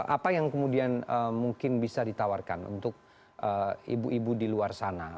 apa yang kemudian mungkin bisa ditawarkan untuk ibu ibu di luar sana